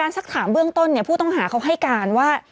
สักถามเบื้องต้นผู้ต้องหาเขาให้การว่า